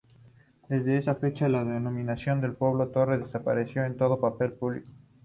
Desde esa fecha, la denominación Pueblo Torres desapareció de todo papel público.